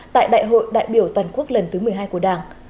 tại đại hội đại biểu toàn quốc lần thứ một mươi hai của đảng